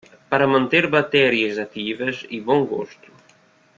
Para manter bactérias ativas e bom gosto